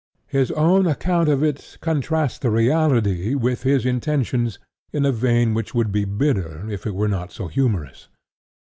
His own account of it contrasts the reality with his intentions in a vein which would be bitter if it were not so humorous.